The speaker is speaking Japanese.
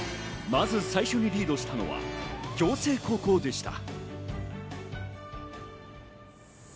まず最初にリードしたのは暁星高校でした。